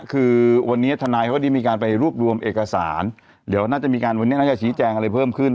คือวันนี้ทนายเขาได้มีการไปรวบรวมเอกสารเดี๋ยวน่าจะมีการวันนี้น่าจะชี้แจงอะไรเพิ่มขึ้น